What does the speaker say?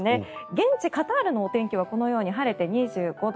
現地カタールのお天気はこのように晴れて２５度。